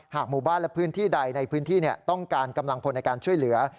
หมู่บ้านและพื้นที่ใดในพื้นที่ต้องการกำลังพลในการช่วยเหลือ